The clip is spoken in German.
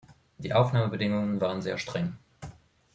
Die Aufnahmebedingungen waren sehr streng.